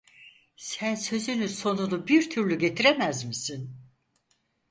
Sen sözünün sonunu bir türlü getiremez misin?